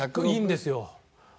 いいんですよ。